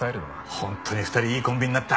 本当に２人いいコンビになった。